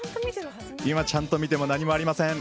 今ちゃんと見ても何もありません。